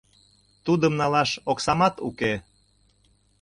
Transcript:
Тудым налаш оксамат уке.